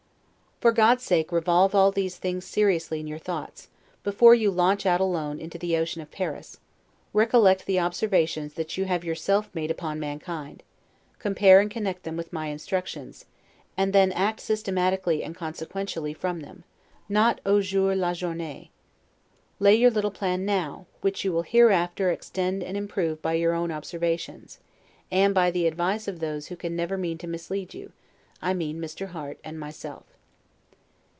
For God's sake, revolve all these things seriously in your thoughts, before you launch out alone into the ocean of Paris. Recollect the observations that you have yourself made upon mankind, compare and connect them with my instructions, and then act systematically and consequentially from them; not 'au jour la journee'. Lay your little plan now, which you will hereafter extend and improve by your own observations, and by the advice of those who can never mean to mislead you; I mean Mr. Harte and myself.